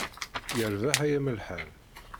Yerbeḥ ay amelḥan.